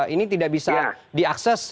ini tidak bisa diakses